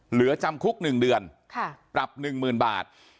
เหลือจำคุก๑เดือนปรับ๑๐๐๐บาท